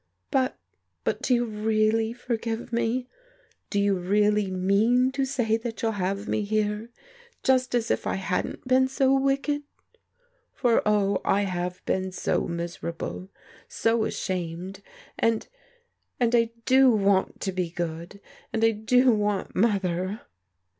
" But — but do you really forgive me? Do you really mean to say that you'll have me here, just as if I hadn't been so wicked? For, oh, I have been so miserable! — so ashamed !— and — ^and I do want to be good, and I do want Mother."